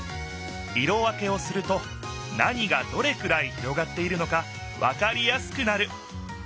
色分けをすると何がどれくらい広がっているのかわかりやすくなる。